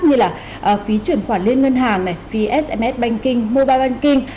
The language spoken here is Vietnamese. như là phí chuyển khoản lên ngân hàng phí sms banking mobile banking